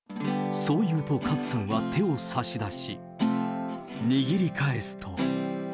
そう言うと、勝さんは手を差し出し、握り返すと。